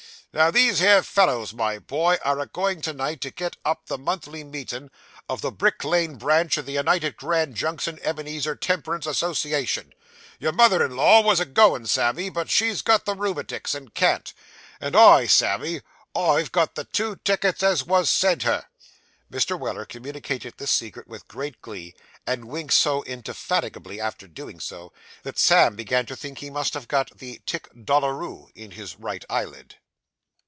Now, these here fellows, my boy, are a goin' to night to get up the monthly meetin' o' the Brick Lane Branch o' the United Grand Junction Ebenezer Temperance Association. Your mother in law wos a goin', Sammy, but she's got the rheumatics, and can't; and I, Sammy I've got the two tickets as wos sent her.' Mr. Weller communicated this secret with great glee, and winked so indefatigably after doing so, that Sam began to think he must have got the Tic Doloureux in his right eyelid.